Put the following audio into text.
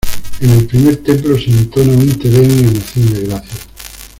En el primer templo se entona un Tedeum en acción de gracias.